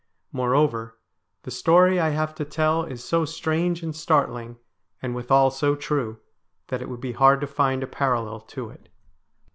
Moreover, the story I have to tell is so strange and startling, and withal so true, that it would be hard to find a parallel to it.